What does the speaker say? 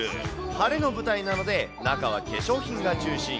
晴れの舞台なので、中は化粧品が中心。